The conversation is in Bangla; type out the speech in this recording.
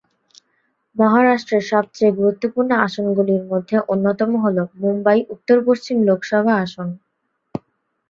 মহারাষ্ট্র সবচেয়ে গুরুত্বপূর্ণ আসনগুলির মধ্যে অন্যতম হল মুম্বাই উত্তর পশ্চিম লোকসভা আসন।